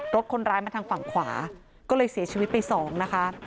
รถคนร้ายมาทางฝั่งขวาก็เลยเสียชีวิตไปสองนะคะ